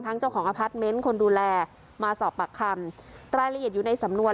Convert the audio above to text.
เจ้าของอพาร์ทเมนต์คนดูแลมาสอบปากคำรายละเอียดอยู่ในสำนวน